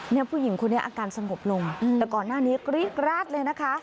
ผู้หญิงคนนี้อาการสงบลงแต่ก่อนหน้านี้กรี๊ดกราดเลยนะคะ